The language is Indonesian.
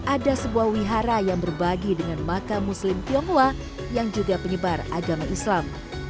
ada sebuah wihara yang berbagi dengan makam muslim tionghoa yang juga penyebar agama islam